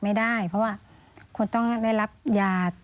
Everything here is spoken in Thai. ไม่ได้เพราะว่าคุณต้องได้รับยา